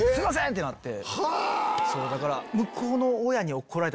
ってなって。